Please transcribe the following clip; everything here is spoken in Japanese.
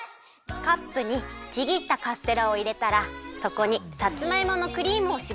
カップにちぎったカステラをいれたらそこにさつまいものクリームをしぼります。